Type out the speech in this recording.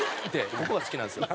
ここが好きなんですよ。